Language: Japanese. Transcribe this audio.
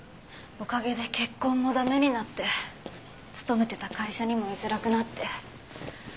おかげで結婚も駄目になって勤めてた会社にもいづらくなって。